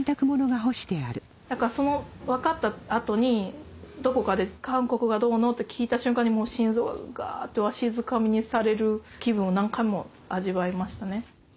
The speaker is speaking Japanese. その分かった後にどこかで韓国がどうのって聞いた瞬間にもう心臓がガってわしづかみにされる気分を何回も味わいましたね。